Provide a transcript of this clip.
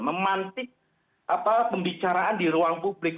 memantik pembicaraan di ruang publik